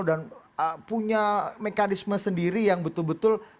dan punya mekanisme sendiri yang betul betul